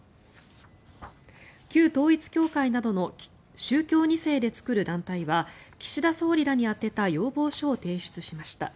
旧統一教会などの宗教２世で作る団体は岸田総理らに充てた要望書を提出しました。